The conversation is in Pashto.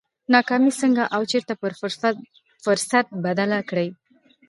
ناکامي څنګه او چېرې پر فرصت بدله کړي؟